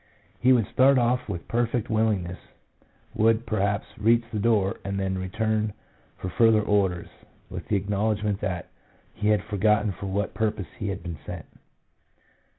He would start off with perfect willingness, would, perhaps, reach the door, and then return for further orders, with the acknowledgment that he had forgotten for what purpose he had been sent.